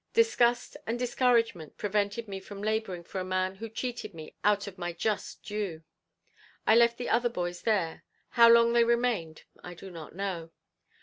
Disgust and discouragement prevented me from laboring for a man who cheated me out of my just due. I left the other boys there, how long they remained I do not know.